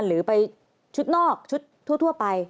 หรือไปชุดนอกชุดทั่วไป